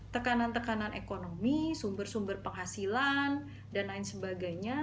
tekanan tekanan ekonomi sumber sumber penghasilan dan lain sebagainya